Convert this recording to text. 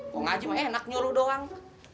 kong haji mah enak nyuruh doang